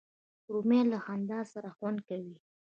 رومیان له خندا سره خوند کوي